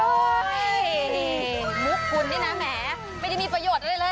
นี่มุกคุณนี่นะแหมไม่ได้มีประโยชน์อะไรเลย